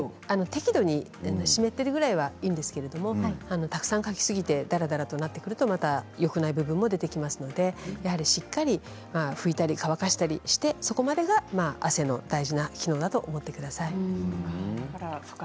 適度に湿っているぐらいはいいんですけれどもたくさんかきすぎてだらだらとなってくるとよくない部分も出てきますのでやはり、しっかり拭いたり乾かしたりしてそこまでが汗の大事な機能だと思ってください。